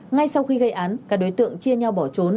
ngay sau khi gây án các đối tượng chia nhau bỏ trốn